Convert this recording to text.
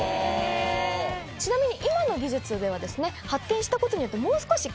ちなみに。